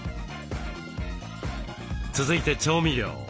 続いて調味料。